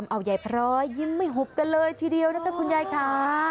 เอายายพร้อยยิ้มไม่หุบกันเลยทีเดียวนะคะคุณยายค่ะ